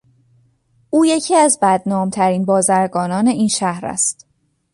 او یکی از بدنامترین بازرگانان این شهر است.